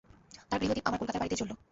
তার গৃহদীপ আমার কলকাতার বাড়িতেই জ্বলল।